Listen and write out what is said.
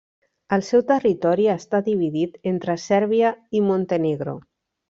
El seu territori està dividit entre Sèrbia i Montenegro.